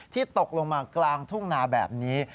ตกลงมากลางทุ่งนาแบบนี้